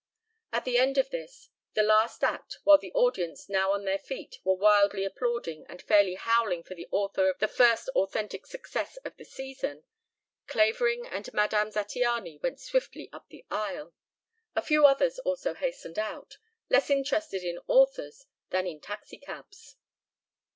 At the end of this, the last act, while the audience, now on their feet, were wildly applauding and fairly howling for the author of "the first authentic success of the season," Clavering and Madame Zattiany went swiftly up the aisle. A few others also hastened out, less interested in authors than in taxi cabs.